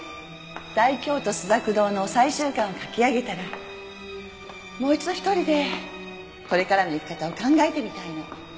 『大京都朱雀堂』の最終巻を書き上げたらもう一度１人でこれからの生き方を考えてみたいの。